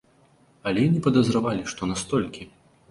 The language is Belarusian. Але і не падазравалі, што настолькі.